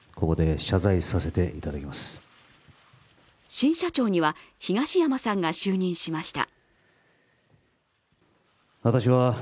新社長には東山さんが就任しました。